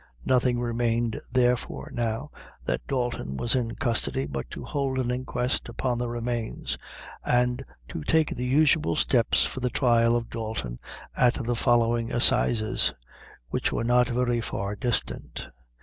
Nothing remained, therefore, now that Dalton was in custody, but to hold an inquest upon the remains, and to take the usual steps for the trial of Dalton at the following assizes, which were not very far distant.